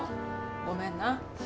ごめんな。